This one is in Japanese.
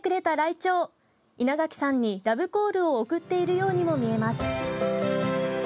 イナガキさんにラブコールを送っているようにも見えます。